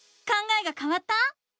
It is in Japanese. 考えがかわった？